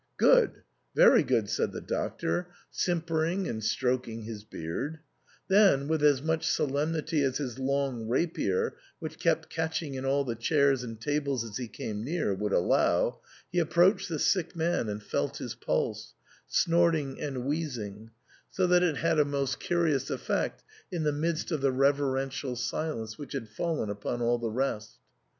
" Good ! Very good !" said the Doctor, simpering and stroking his beard ; then, with as much solemnity as his long rapier, which kept catching in all the chairs and tables he came near, would allow, he approached the sick man and felt his pulse, snorting and wheezing, so that it had a most curious effect in the midst of the reverential silence which had fallen upon all the rest.